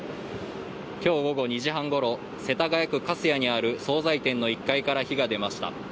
今日午後２時半ごろ世田谷区粕谷にある総菜店の１階から火が出ました。